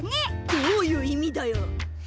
どういういみだよ！